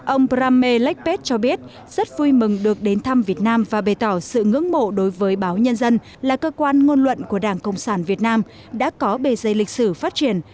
ông prame led cho biết rất vui mừng được đến thăm việt nam và bày tỏ sự ngưỡng mộ đối với báo nhân dân là cơ quan ngôn luận của đảng cộng sản việt nam đã có bề dây lịch sử phát triển